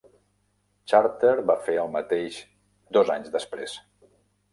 Charter va fer el mateix dos anys després.